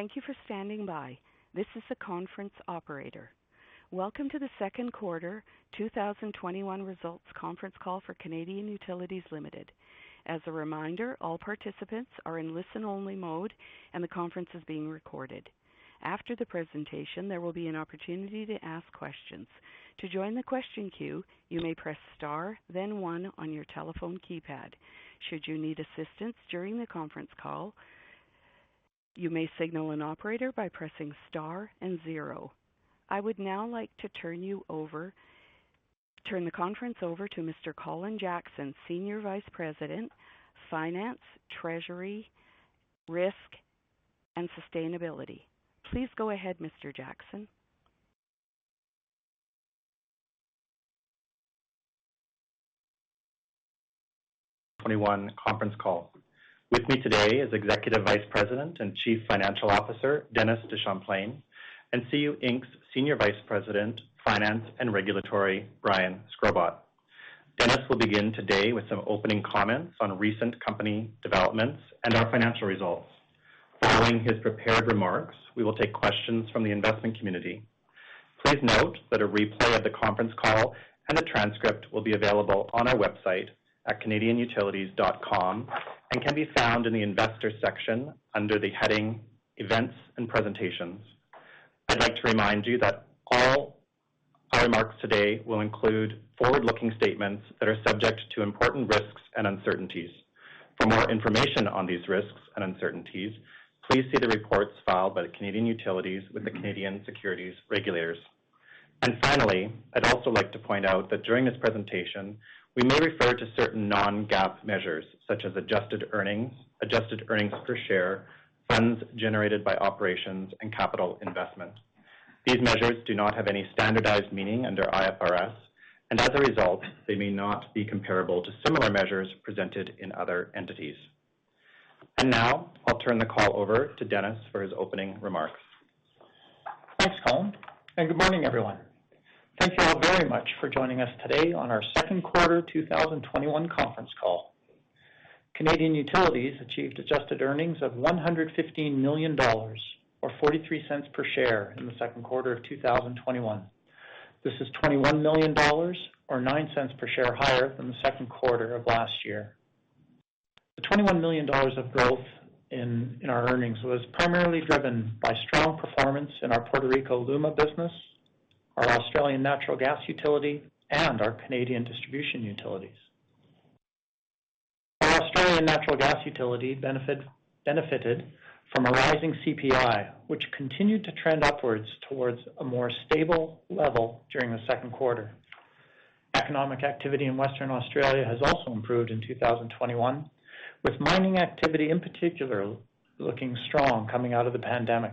Thank you for standing by. This is the conference operator. Welcome to the Q2 2021 results conference call for Canadian Utilities Limited. As a reminder, all participants are in listen-only mode, and the conference is being recorded. After the presentation, there will be an opportunity to ask questions. I would now like to turn the conference over to Mr. Colin Jackson, Senior Vice President, Finance, Treasury, Risk, and Sustainability. Please go ahead, Mr. Jackson. 2021 conference call. With me today is Executive Vice President and Chief Financial Officer Dennis DeChamplain, and CU Inc.'s Senior Vice President, Finance and Regulatory, Brian Shkrobot. Dennis will begin today with some opening comments on recent company developments and our financial results. Following his prepared remarks, we will take questions from the investment community. Please note that a replay of the conference call and the transcript will be available on our website at canadianutilities.com and can be found in the investor section under the heading Events and Presentations. I'd like to remind you that all our remarks today will include forward-looking statements that are subject to important risks and uncertainties. For more information on these risks and uncertainties, please see the reports filed by Canadian Utilities with the Canadian securities regulators. Finally, I'd also like to point out that during this presentation, we may refer to certain non-GAAP measures such as adjusted earnings, adjusted earnings per share, funds generated by operations, and capital investment. These measures do not have any standardized meaning under IFRS, and as a result, they may not be comparable to similar measures presented in other entities. Now I'll turn the call over to Dennis for his opening remarks. Thanks, Colin, good morning, everyone. Thank you all very much for joining us today on our Q2 2021 conference call. Canadian Utilities achieved adjusted earnings of 115 million dollars, or 0.43 per share in the Q2 of 2021. This is 21 million dollars or 0.09 per share higher than the Q2 of last year. The 21 million dollars of growth in our earnings was primarily driven by strong performance in our Puerto Rico LUMA business, our Australian Natural Gas Utility, and our Canadian distribution utilities. Our Australian Natural Gas Utility benefited from a rising CPI, which continued to trend upwards towards a more stable level during the Q2. Economic activity in Western Australia has also improved in 2021, with mining activity in particular looking strong coming out of the pandemic.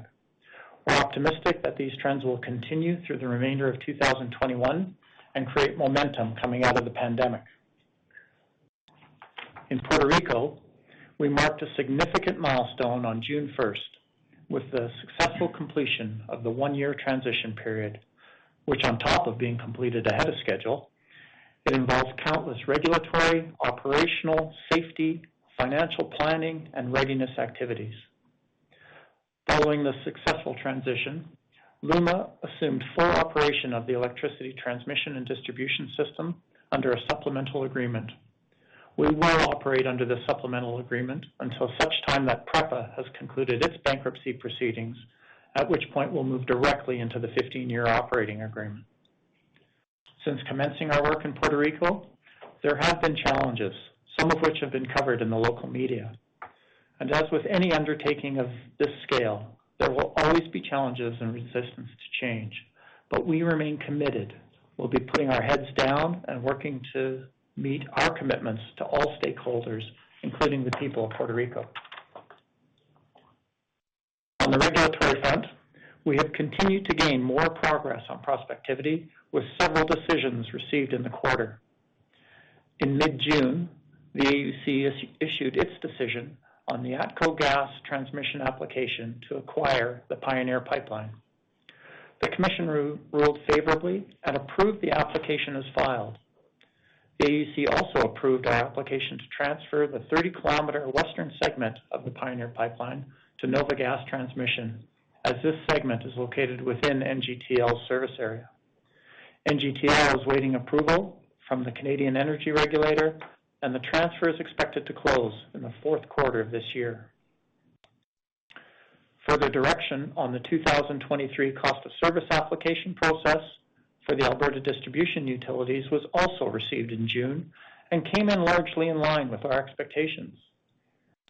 We're optimistic that these trends will continue through the remainder of 2021 and create momentum coming out of the pandemic. In Puerto Rico, we marked a significant milestone on June 1st with the successful completion of the one-year transition period, which on top of being completed ahead of schedule, involved countless regulatory, operational, safety, financial planning, and readiness activities. Following the successful transition, LUMA Energy assumed full operation of the electricity transmission and distribution system under a supplemental agreement. We will operate under this supplemental agreement until such time that PREPA has concluded its bankruptcy proceedings, at which point we'll move directly into the 15-year operating agreement. Since commencing our work in Puerto Rico, there have been challenges, some of which have been covered in the local media. As with any undertaking of this scale, there will always be challenges and resistance to change, but we remain committed. We'll be putting our heads down and working to meet our commitments to all stakeholders, including the people of Puerto Rico. On the regulatory front, we have continued to gain more progress on prospectivity with several decisions received in the quarter. In mid-June, the AUC issued its decision on the ATCO Gas transmission application to acquire the Pioneer Pipeline. The commission ruled favorably and approved the application as filed. The AUC also approved our application to transfer the 30 km western segment of the Pioneer Pipeline to NOVA Gas Transmission, as this segment is located within NGTL's service area. NGTL is awaiting approval from the Canada Energy Regulator. The transfer is expected to close in the Q4 of this year. Further direction on the 2023 cost of service application process for the Alberta Distribution Utilities was also received in June and came in largely in line with our expectations.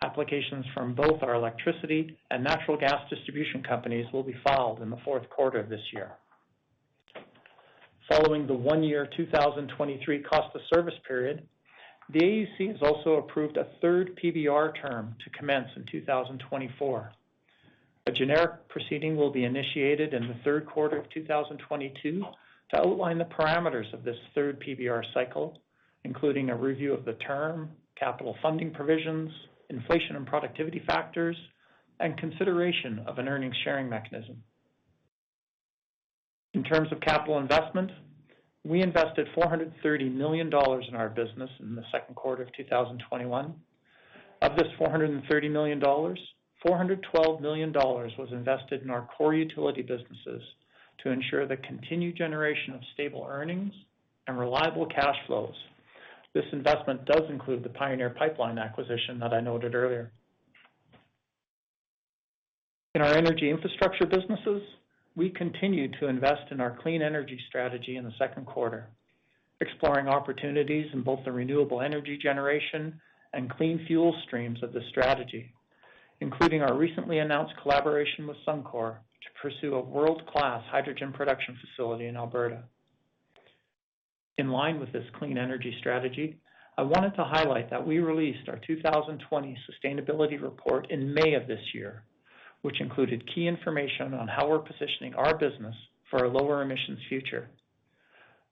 Applications from both our electricity and natural gas distribution companies will be filed in the Q4 of this year. Following the one-year 2023 cost of service period, the AUC has also approved a third PBR term to commence in 2024. A generic proceeding will be initiated in the Q3 of 2022 to outline the parameters of this third PBR cycle, including a review of the term, capital funding provisions, inflation and productivity factors, and consideration of an earnings-sharing mechanism. In terms of capital investment, we invested 430 million dollars in our business in the Q2 of 2021. Of this 430 million dollars, 412 million dollars was invested in our core utility businesses to ensure the continued generation of stable earnings and reliable cash flows. This investment does include the Pioneer Pipeline acquisition that I noted earlier. In our energy infrastructure businesses, we continued to invest in our clean energy strategy in the Q2, exploring opportunities in both the renewable energy generation and clean fuel streams of the strategy, including our recently announced collaboration with Suncor to pursue a world-class hydrogen production facility in Alberta. In line with this clean energy strategy, I wanted to highlight that we released our 2020 sustainability report in May of this year, which included key information on how we're positioning our business for a lower emissions future.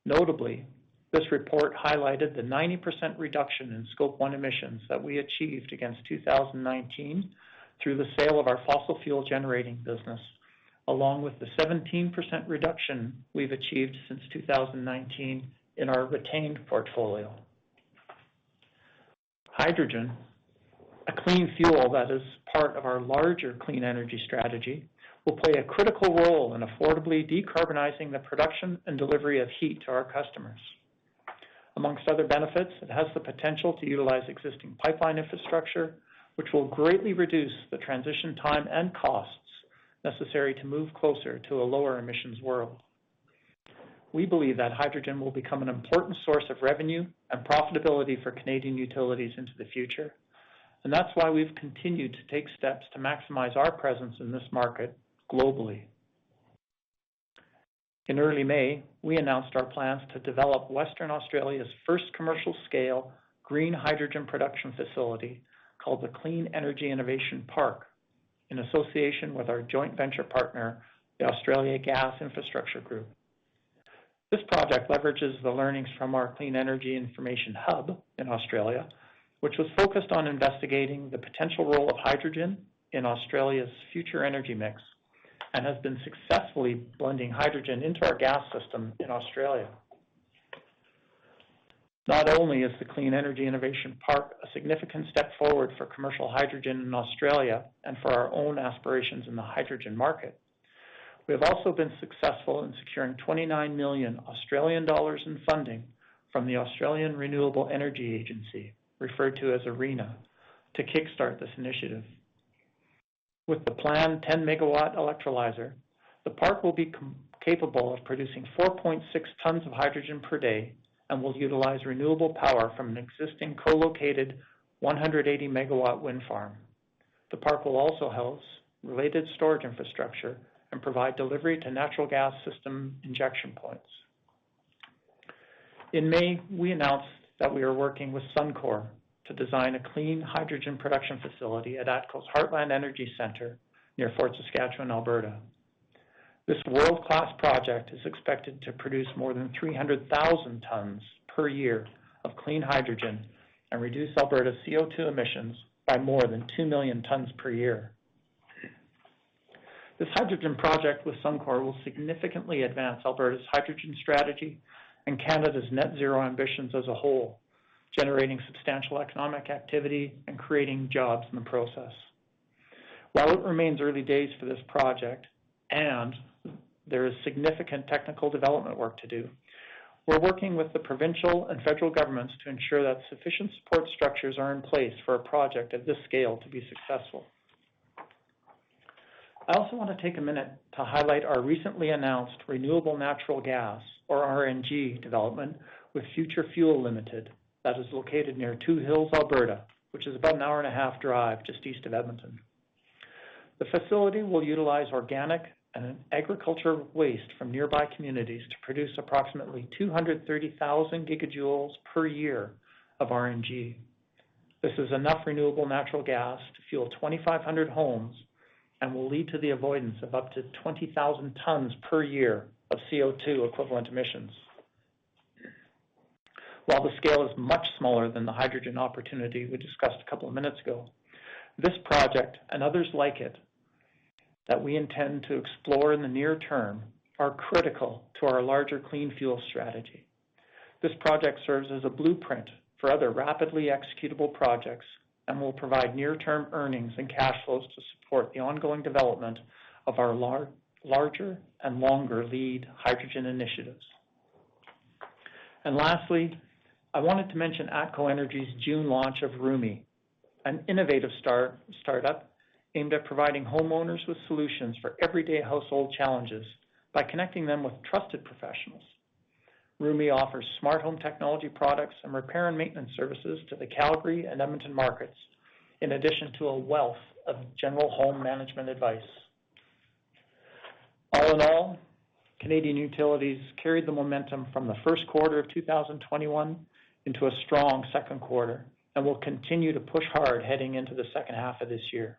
Notably, this report highlighted the 90% reduction in Scope 1 emissions that we achieved against 2019 through the sale of our fossil fuel generating business, along with the 17% reduction we've achieved since 2019 in our retained portfolio. Hydrogen, a clean fuel that is part of our larger clean energy strategy, will play a critical role in affordably decarbonizing the production and delivery of heat to our customers. Amongst other benefits, it has the potential to utilize existing pipeline infrastructure, which will greatly reduce the transition time and costs necessary to move closer to a lower emissions world. We believe that hydrogen will become an important source of revenue and profitability for Canadian Utilities into the future. That's why we've continued to take steps to maximize our presence in this market globally. In early May, we announced our plans to develop Western Australia's first commercial-scale green hydrogen production facility, called the Clean Energy Innovation Park, in association with our joint venture partner, the Australian Gas Infrastructure Group. This project leverages the learnings from our Clean Energy Innovation Hub in Australia, which was focused on investigating the potential role of hydrogen in Australia's future energy mix and has been successfully blending hydrogen into our gas system in Australia. Not only is the Clean Energy Innovation Park a significant step forward for commercial hydrogen in Australia and for our own aspirations in the hydrogen market, we have also been successful in securing 29 million Australian dollars in funding from the Australian Renewable Energy Agency, referred to as ARENA, to kickstart this initiative. With the planned 10-MW electrolyzer, the park will be capable of producing 4.6 tons of hydrogen per day and will utilize renewable power from an existing co-located 180-MW wind farm. The park will also house related storage infrastructure and provide delivery to natural gas system injection points. In May, we announced that we are working with Suncor to design a clean hydrogen production facility at ATCO's Heartland Energy Centre near Fort Saskatchewan, Alberta. This world-class project is expected to produce more than 300,000 tons per year of clean hydrogen and reduce Alberta's CO2 emissions by more than 2 million tons per year. This hydrogen project with Suncor will significantly advance Alberta's hydrogen strategy and Canada's net-zero ambitions as a whole, generating substantial economic activity and creating jobs in the process. While it remains early days for this project and there is significant technical development work to do, we're working with the provincial and federal governments to ensure that sufficient support structures are in place for a project of this scale to be successful. I also want to take a minute to highlight our recently announced renewable natural gas, or RNG, development with Future Fuel Limited that is located near Two Hills, Alberta, which is about an hour-and-a-half drive just east of Edmonton. The facility will utilize organic and agriculture waste from nearby communities to produce approximately 230,000 gigajoules per year of RNG. This is enough renewable natural gas to fuel 2,500 homes and will lead to the avoidance of up to 20,000 tons per year of CO2-equivalent emissions. While the scale is much smaller than the hydrogen opportunity we discussed a couple of minutes ago, this project and others like it that we intend to explore in the near term are critical to our larger clean fuel strategy. This project serves as a blueprint for other rapidly executable projects and will provide near-term earnings and cash flows to support the ongoing development of our larger and longer lead hydrogen initiatives. Lastly, I wanted to mention ATCOenergy's June launch of Rümi, an innovative startup aimed at providing homeowners with solutions for everyday household challenges by connecting them with trusted professionals. Rümi offers smart home technology products and repair and maintenance services to the Calgary and Edmonton markets, in addition to a wealth of general home management advice. All in all, Canadian Utilities carried the momentum from the Q1 of 2021 into a strong Q2 and will continue to push hard heading into the second half of this year.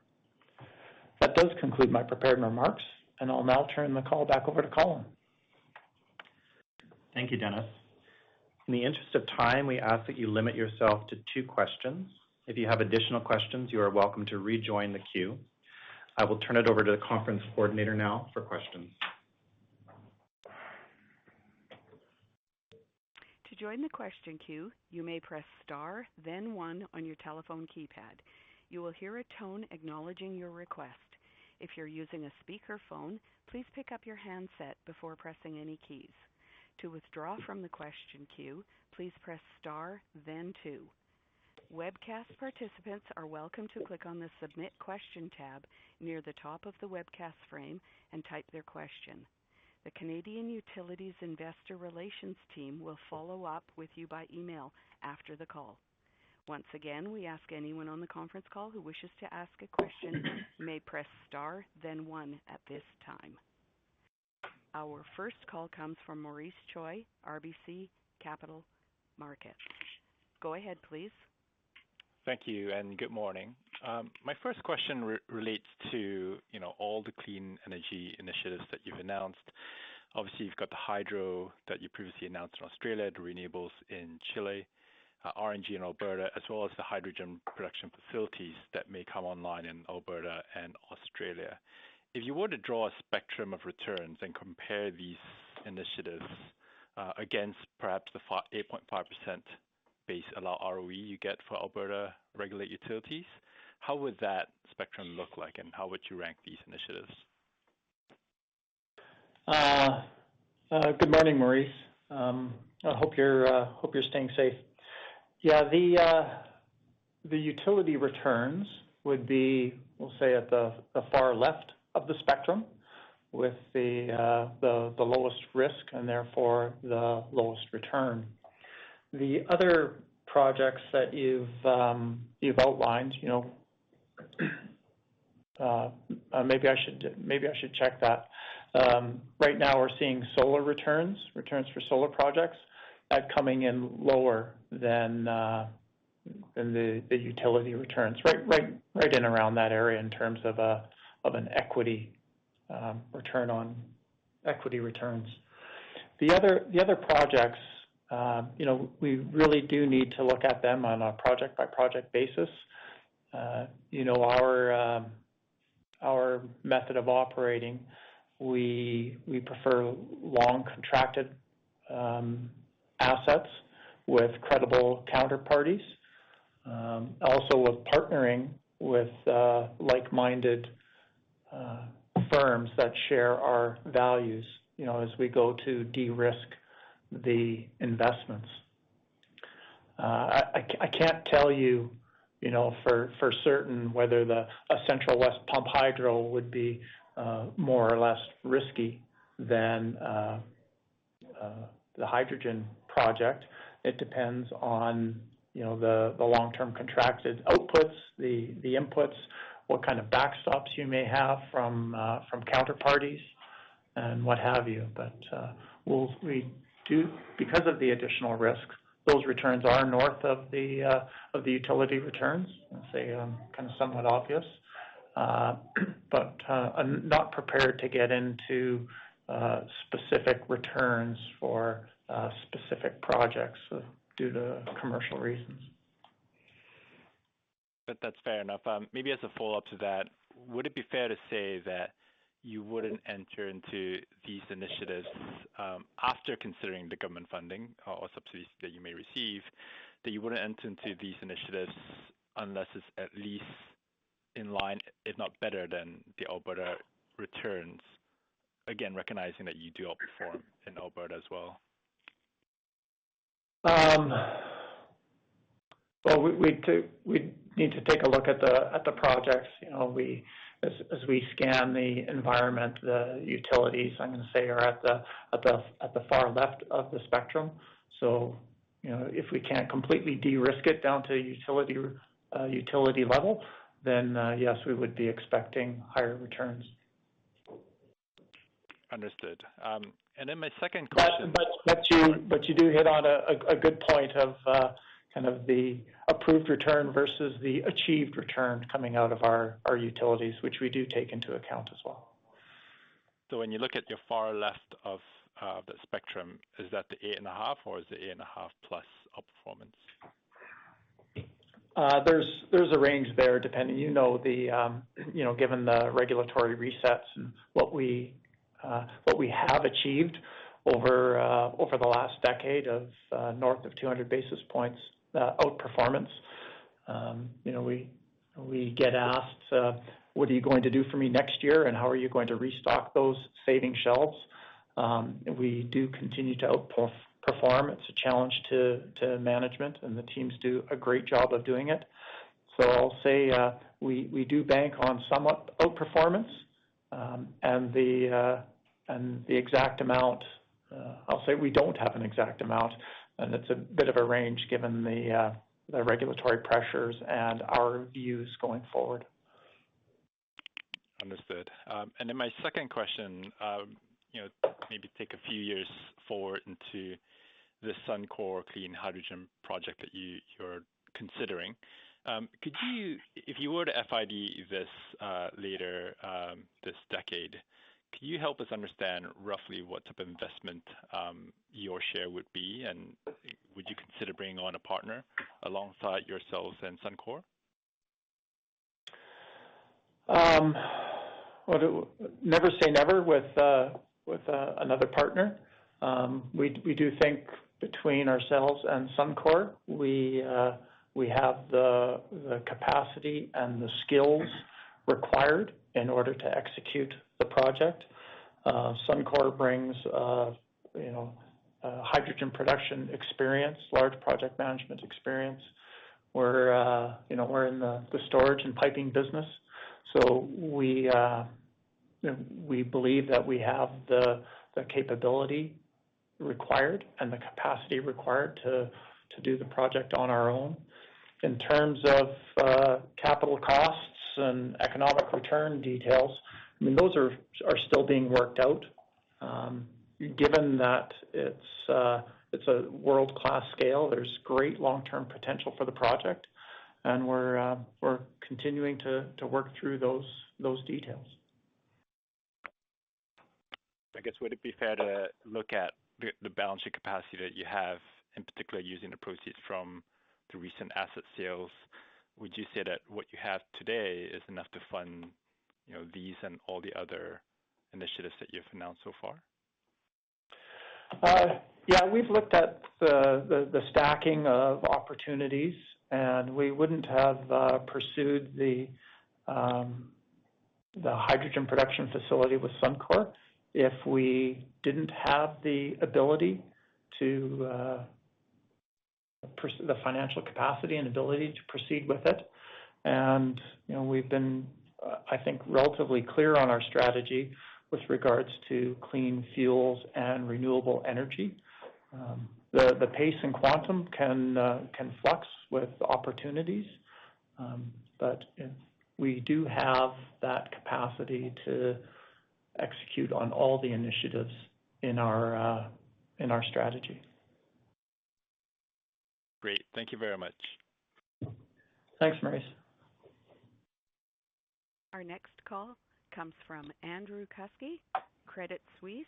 That does conclude my prepared remarks, and I'll now turn the call back over to Colin. Thank you, Dennis. In the interest of time, we ask that you limit yourself to two questions. If you have additional questions, you are welcome to rejoin the queue. I will turn it over to the conference coordinator now for questions. To join the question queue, you may press star then one on your telephone keypad. You will hear a tone acknowledging your request. If you're using a speakerphone, please pick up your handset before pressing any keys. To withdraw from the question queue, please press star then two. Webcast participants are welcome to click on the Submit Question tab near the top of the webcast frame and type their question. The Canadian Utilities investor relations team will follow up with you by email after the call. Once again, we ask anyone on the conference call who wishes to ask a question may press star then one at this time. Our first call comes from Maurice Choy, RBC Capital Markets. Go ahead, please. Thank you. Good morning. My first question relates to all the clean energy initiatives that you've announced. Obviously, you've got the hydro that you previously announced in Australia, the renewables in Chile, RNG in Alberta, as well as the hydrogen production facilities that may come online in Alberta and Australia. If you were to draw a spectrum of returns and compare these initiatives against perhaps the 8.5% base allow ROE you get for Alberta regulated utilities, how would that spectrum look like, and how would you rank these initiatives? Good morning, Maurice. I hope you're staying safe. Yeah, the utility returns would be, we'll say, at the far left of the spectrum with the lowest risk and therefore the lowest return. The other projects that you've outlined, maybe I should check that. Right now, we're seeing solar returns for solar projects, coming in lower than the utility returns. Right in around that area in terms of equity returns. The other projects, we really do need to look at them on a project-by-project basis. Our method of operating, we prefer long-contracted assets with credible counterparties. Also with partnering with like-minded firms that share our values as we go to de-risk the investments. I can't tell you for certain whether a Central West Pumped Hydro would be more or less risky than the hydrogen project. It depends on the long-term contracted outputs, the inputs, what kind of backstops you may have from counterparties, and what have you. Because of the additional risks, those returns are north of the utility returns, I'd say, somewhat obvious. I'm not prepared to get into specific returns for specific projects due to commercial reasons. That's fair enough. Maybe as a follow-up to that, would it be fair to say that you wouldn't enter into these initiatives after considering the government funding or subsidies that you may receive, that you wouldn't enter into these initiatives unless it's at least in line, if not better than, the Alberta returns? Again, recognizing that you do outperform in Alberta as well. Well, we'd need to take a look at the projects. As we scan the environment, the utilities, I'm going to say, are at the far left of the spectrum. If we can't completely de-risk it down to utility level, then yes, we would be expecting higher returns. Understood. My second question, You do hit on a good point of the approved return versus the achieved return coming out of our utilities, which we do take into account as well. When you look at your far left of the spectrum, is that the 8.5 or is it 8.5+ out-performance? There's a range there depending. Given the regulatory resets and what we have achieved over the last decade of north of 200 basis points out-performance, we get asked, "What are you going to do for me next year, and how are you going to restock those saving shelves?" We do continue to out-perform. It's a challenge to management, and the teams do a great job of doing it. I'll say we do bank on somewhat out-performance. The exact amount, I'll say we don't have an exact amount, and it's a bit of a range given the regulatory pressures and our views going forward. Understood. My second question, maybe take a few years forward into the Suncor clean hydrogen project that you're considering. If you were to FID this later this decade, can you help us understand roughly what type of investment your share would be? Would you consider bringing on a partner alongside yourselves and Suncor? Never say never with another partner. We do think between ourselves and Suncor, we have the capacity and the skills required in order to execute the project. Suncor brings hydrogen production experience, large project management experience. We're in the storage and piping business, so we believe that we have the capability required and the capacity required to do the project on our own. In terms of capital costs and economic return details, those are still being worked out. Given that it's a world-class scale, there's great long-term potential for the project, and we're continuing to work through those details. I guess, would it be fair to look at the balance sheet capacity that you have, in particular, using the proceeds from the recent asset sales? Would you say that what you have today is enough to fund these and all the other initiatives that you've announced so far? Yeah. We've looked at the stacking of opportunities. We wouldn't have pursued the hydrogen production facility with Suncor if we didn't have the financial capacity and ability to proceed with it. We've been, I think, relatively clear on our strategy with regards to clean fuels and renewable energy. The pace and quantum can flux with opportunities, we do have that capacity to execute on all the initiatives in our strategy. Great. Thank you very much. Thanks, Maurice. Our next call comes from Andrew Kuske, Credit Suisse.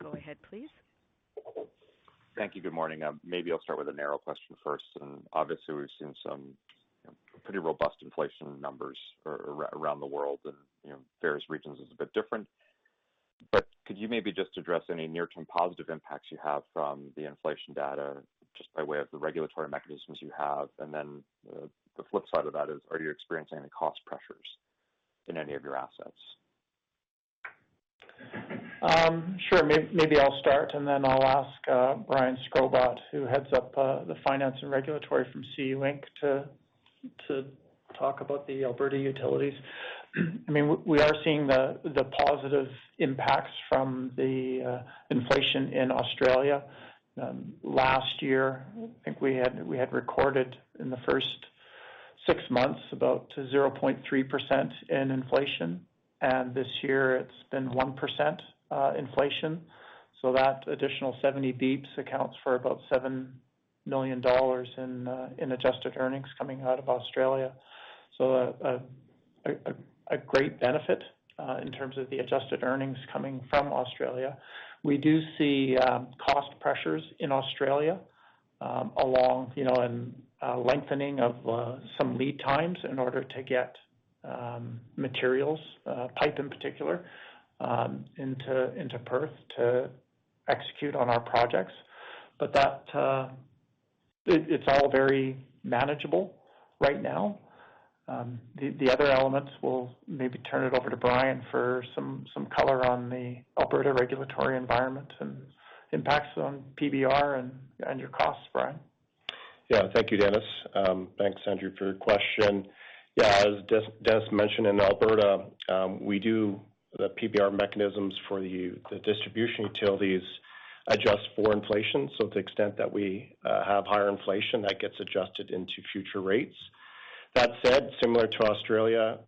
Go ahead, please. Thank you. Good morning. Maybe I'll start with a narrow question first. Obviously, we've seen some pretty robust inflation numbers around the world and various regions is a bit different. Could you maybe just address any near-term positive impacts you have from the inflation data, just by way of the regulatory mechanisms you have? The flip side of that is, are you experiencing any cost pressures in any of your assets? Sure. Maybe I'll start, and then I'll ask Brian Shkrobot, who heads up the finance and regulatory from CU Inc., to talk about the Alberta utilities. We are seeing the positive impacts from the inflation in Australia. Last year, I think we had recorded in the first six months about 0.3% in inflation, and this year it's been 1% inflation. That additional 70 basis points accounts for about 7 million dollars in adjusted earnings coming out of Australia, a great benefit in terms of the adjusted earnings coming from Australia. We do see cost pressures in Australia along, and lengthening of some lead times in order to get materials, pipe in particular, into Perth to execute on our projects. It's all very manageable right now. The other elements will maybe turn it over to Brian for some color on the Alberta regulatory environment and impacts on PBR and your costs, Brian. Thank you, Dennis. Thanks, Andrew, for your question. As Dennis mentioned, in Alberta, we do the PBR mechanisms for the distribution utilities adjust for inflation. To the extent that we have higher inflation, that gets adjusted into future rates. That said, similar to Australia,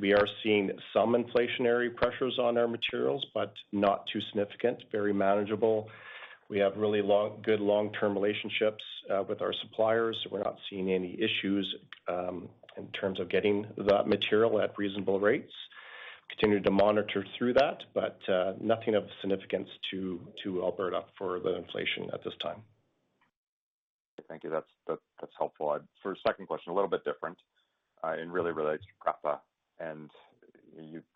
we are seeing some inflationary pressures on our materials, but not too significant. Very manageable. We have really good long-term relationships with our suppliers, so we're not seeing any issues in terms of getting that material at reasonable rates. Continue to monitor through that, but nothing of significance to Alberta for the inflation at this time. Thank you. That's helpful. For the second question, a little bit different, and really relates to PREPA, and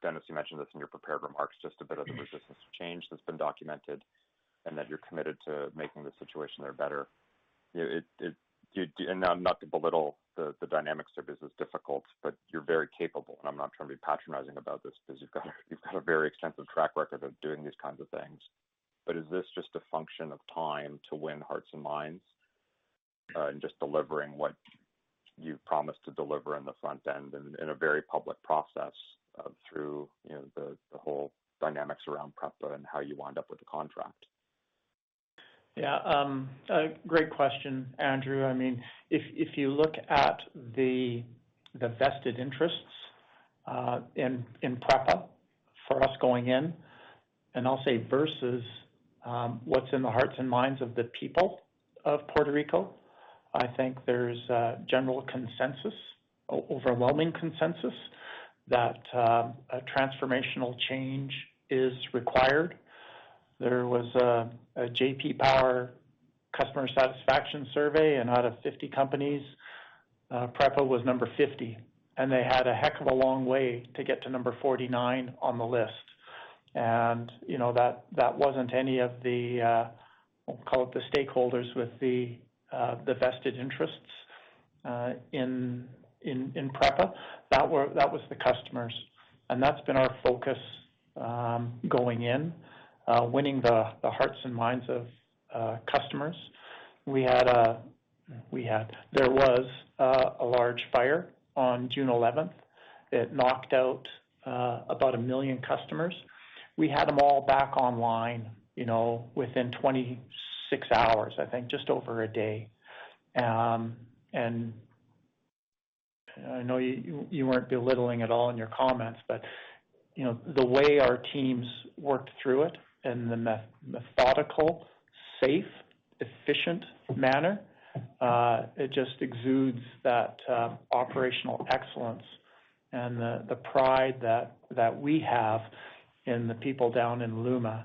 Dennis, you mentioned this in your prepared remarks, just a bit of the resistance to change that's been documented and that you're committed to making the situation there better. Not to belittle the dynamics of it's difficult, but you're very capable, and I'm not trying to be patronizing about this because you've got a very extensive track record of doing these kinds of things. Is this just a function of time to win hearts and minds in just delivering what you've promised to deliver on the front end in a very public process through the whole dynamics around PREPA and how you wind up with the contract? Yeah. A great question, Andrew. If you look at the vested interests in PREPA for us going in, I'll say versus what's in the hearts and minds of the people of Puerto Rico, I think there's a general consensus, overwhelming consensus, that a transformational change is required. There was a J.D. Power customer satisfaction survey, out of 50 companies, PREPA was number 50, and they had a heck of a long way to get to number 49 on the list. That wasn't any of the, we'll call it the stakeholders with the vested interests in PREPA. That was the customers. That's been our focus going in. Winning the hearts and minds of customers. There was a large fire on June 11th. It knocked out about 1 million customers. We had them all back online within 26 hours, I think, just over 1 day. I know you weren't belittling at all in your comments, but the way our teams worked through it in the methodical, safe, efficient manner, it just exudes that operational excellence and the pride that we have in the people down in LUMA.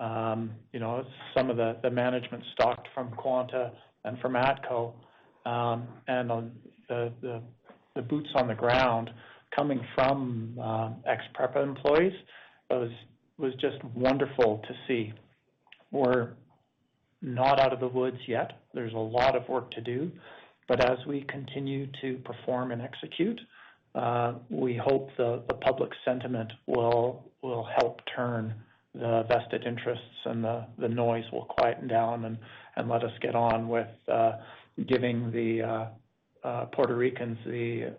Some of the management stock from Quanta and from ATCO. The boots on the ground coming from ex-PREPA employees was just wonderful to see. We're not out of the woods yet. There's a lot of work to do. As we continue to perform and execute, we hope the public sentiment will help turn the vested interests, and the noise will quieten down and let us get on with giving the Puerto Ricans the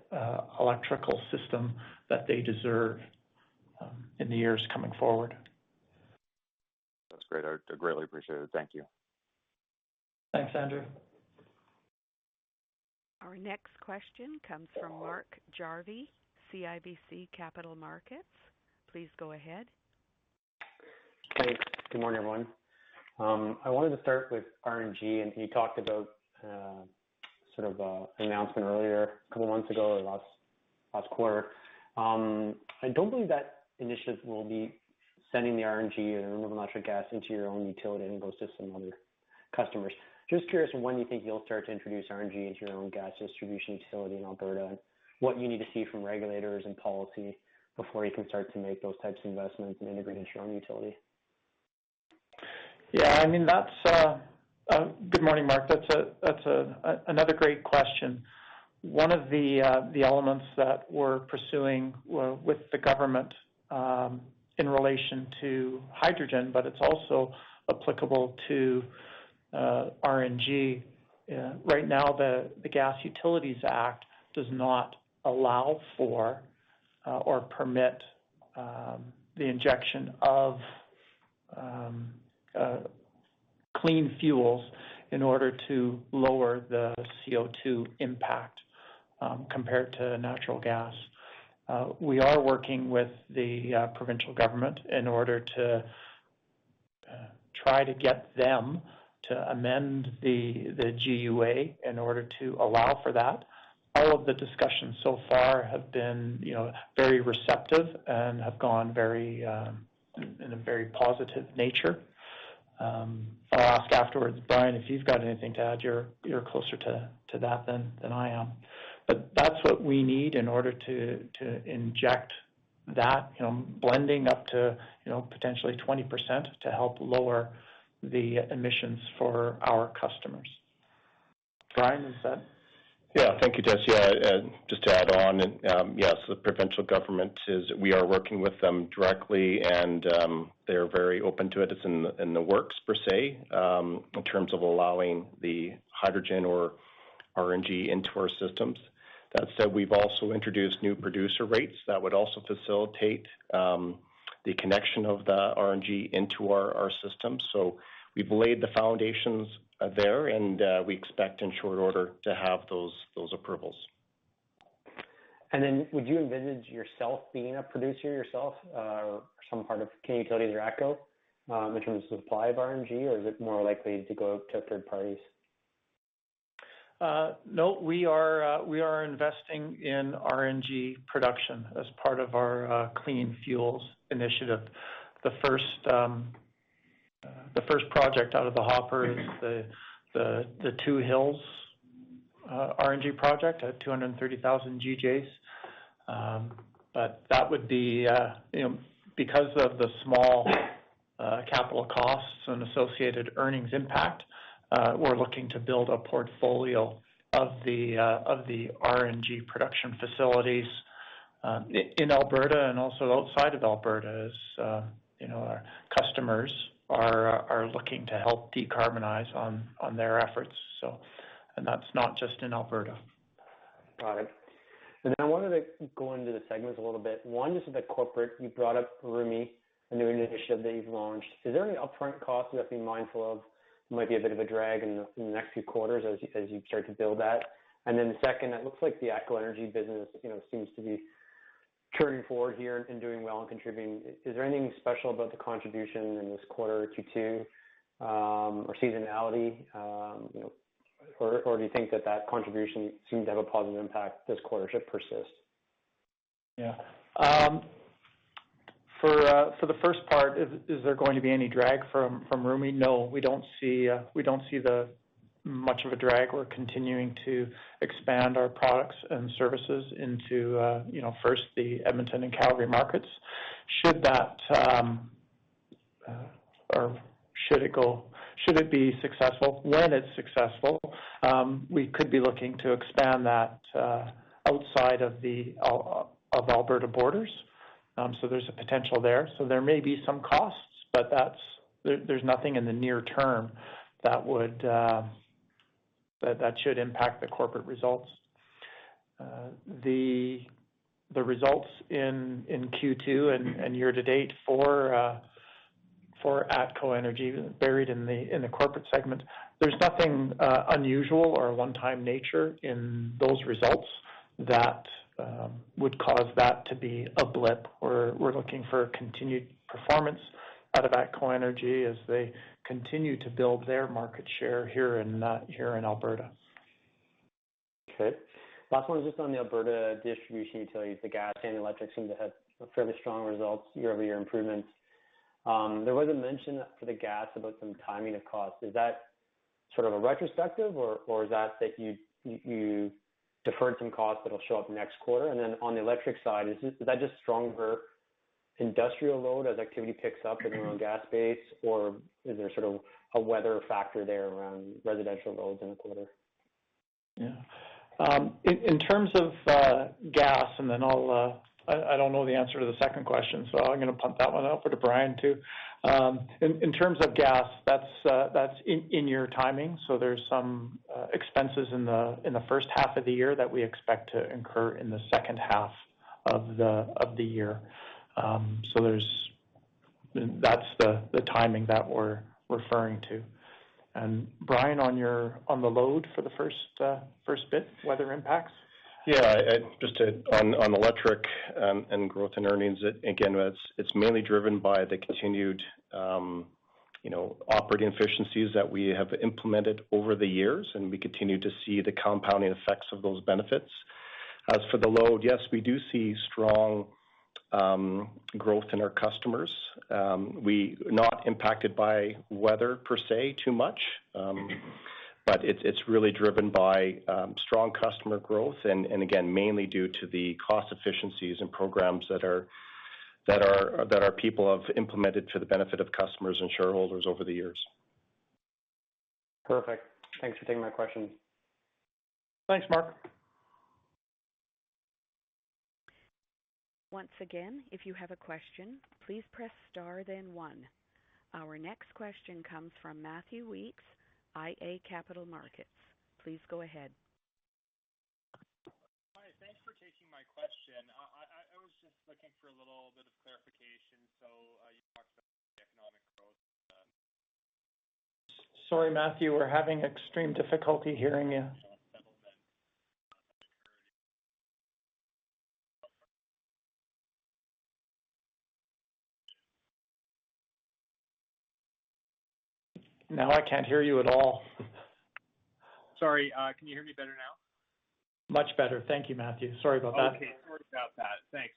electrical system that they deserve in the years coming forward. That's great. I greatly appreciate it. Thank you. Thanks, Andrew. Our next question comes from Mark Jarvi, CIBC Capital Markets. Please go ahead. Thanks. Good morning, everyone. I wanted to start with RNG, and you talked about sort of announcement earlier, a couple of months ago or last quarter. I don't believe that initiative will be sending the RNG or renewable natural gas into your own utility and go to some other customers. Just curious when you think you'll start to introduce RNG into your own gas distribution facility in Alberta, and what you need to see from regulators and policy before you can start to make those types of investments and integrate into your own utility? Yeah. Good morning, Mark. That's another great question. One of the elements that we're pursuing with the government, in relation to hydrogen, but it's also applicable to RNG. Right now, the Gas Utilities Act does not allow for or permit the injection of clean fuels in order to lower the CO2 impact compared to natural gas. We are working with the provincial government in order to try to get them to amend the GUA in order to allow for that. All of the discussions so far have been very receptive and have gone in a very positive nature. I'll ask afterwards, Brian, if you've got anything to add, you're closer to that than I am. That's what we need in order to inject that blending up to potentially 20% to help lower the emissions for our customers. Brian, that said. Thank you, Jarvi. Just to add on, yes, the provincial government. We are working with them directly. They are very open to it. It's in the works, per se, in terms of allowing the hydrogen or RNG into our systems. That said, we've also introduced new producer rates that would also facilitate the connection of the RNG into our systems. We've laid the foundations there. We expect in short order to have those approvals. Would you envisage yourself being a producer yourself, or some part of Canadian Utilities or ATCO, in terms of supply of RNG? Or is it more likely to go to third parties? No. We are investing in RNG production as part of our clean fuels initiative. The first project out of the hopper is the Two Hills RNG project at 230,000 GJs. That would be because of the small capital costs and associated earnings impact, we're looking to build a portfolio of the RNG production facilities in Alberta and also outside of Alberta as our customers are looking to help decarbonize on their efforts. That's not just in Alberta. Got it. I wanted to go into the segments a little bit. One, just about corporate. You brought up Rümi, a new initiative that you've launched. Is there any upfront costs you have to be mindful of that might be a bit of a drag in the next few quarters as you start to build that? Second, it looks like the ATCOenergy business seems to be turning forward here and doing well and contributing, is there anything special about the contribution in this quarter to two or seasonality? Or do you think that contribution seemed to have a positive impact this quarter should persist? For the first part, is there going to be any drag from Rümi? No, we don't see much of a drag. We're continuing to expand our products and services into first the Edmonton and Calgary markets. Should it be successful, when it's successful, we could be looking to expand that outside of Alberta borders. There's a potential there. There may be some costs, but there's nothing in the near term that should impact the corporate results. The results in Q2 and year to date for ATCOenergy buried in the corporate segment, there's nothing unusual or a one-time nature in those results that would cause that to be a blip or we're looking for a continued performance out of ATCOenergy as they continue to build their market share here in Alberta. Okay. Last one is just on the Alberta distribution utilities. The gas and electric seem to have fairly strong results year-over-year improvements. There was a mention for the gas about some timing of costs. Is that sort of a retrospective or is that you deferred some costs that will show up next quarter? Then on the electric side, is that just stronger industrial load as activity picks up in and around gas basin? Is there sort of a weather factor there around residential loads in the quarter? Yeah. In terms of gas, and then I don't know the answer to the second question, so I'm going to pump that one out for to Brian, too. In terms of gas, that's in-year timing, so there's some expenses in the first half of the year that we expect to incur in the second half of the year. That's the timing that we're referring to. Brian, on the load for the first bit, weather impacts? Yeah, just on electric and growth in earnings, again, it's mainly driven by the continued operating efficiencies that we have implemented over the years, and we continue to see the compounding effects of those benefits. As for the load, yes, we do see strong growth in our customers. We not impacted by weather per se too much. But it's really driven by strong customer growth and again, mainly due to the cost efficiencies and programs that our people have implemented for the benefit of customers and shareholders over the years. Perfect. Thanks for taking my questions. Thanks, Mark. Once again, if you have a question, please press star, then one. Our next question comes from Matthew Weekes, iA Capital Markets. Please go ahead. Hi. Thanks for taking my question. I was just looking for a little bit of clarification. You talked about the economic growth. Sorry, Matthew, we're having extreme difficulty hearing you. Now I can't hear you at all. Sorry, can you hear me better now? Much better. Thank you, Matthew. Sorry about that. Okay. Sorry about that. Thanks.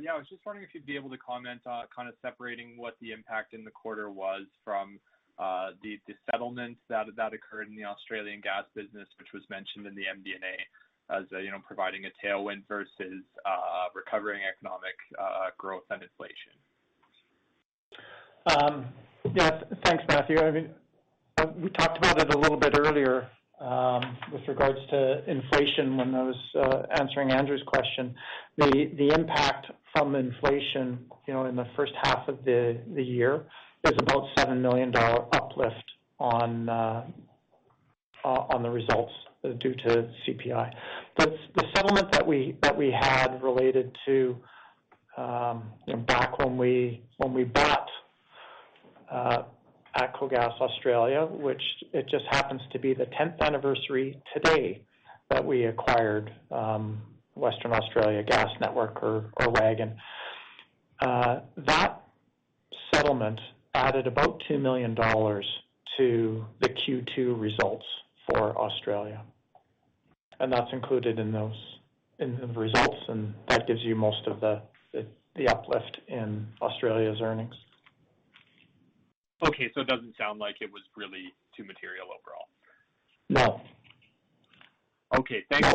Yeah, I was just wondering if you'd be able to comment on kind of separating what the impact in the quarter was from the settlements that occurred in the Australian gas business, which was mentioned in the MD&A as providing a tailwind versus recovering economic growth and inflation? Yes. Thanks, Matthew. We talked about it a little bit earlier with regards to inflation when I was answering Andrew's question. The impact from inflation in the first half of the year is about 7 million dollar uplift on the results due to CPI. The settlement that we had related to back when we bought ATCO Gas Australia, Which it just happens to be the 10th anniversary today that we acquired WA Gas Networks or WAGN. That settlement added about 2 million dollars to the Q2 results for Australia, and that's included in the results and that gives you most of the uplift in Australia's earnings. Okay. It doesn't sound like it was really too material overall. No. Okay. Thanks.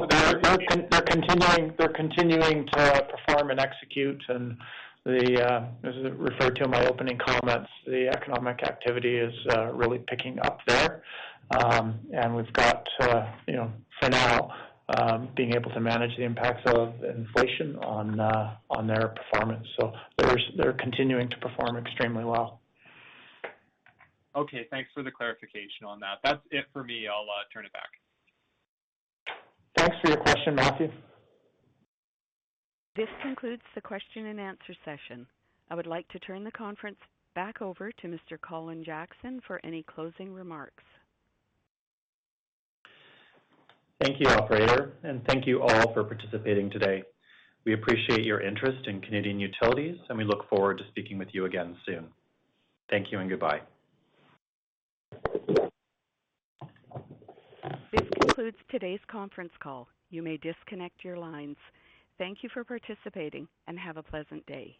They're continuing to perform and execute and as I referred to in my opening comments, the economic activity is really picking up there. We've got for now being able to manage the impacts of inflation on their performance. They're continuing to perform extremely well. Okay. Thanks for the clarification on that. That's it for me. I'll turn it back. Thanks for your question, Matthew. This concludes the question and answer session. I would like to turn the conference back over to Mr. Colin Jackson for any closing remarks. Thank you, operator, and thank you all for participating today. We appreciate your interest in Canadian Utilities, and we look forward to speaking with you again soon. Thank you and goodbye. This concludes today's conference call. You may disconnect your lines. Thank you for participating and have a pleasant day.